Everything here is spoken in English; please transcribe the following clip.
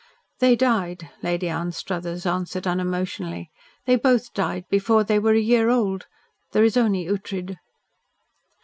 "They died," Lady Anstruthers answered unemotionally. "They both died before they were a year old. There is only Ughtred."